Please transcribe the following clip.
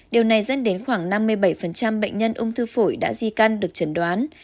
điều này dẫn đến khoảng năm mươi bảy bệnh nhân ung thư phổi đã di căn được chẩn đoán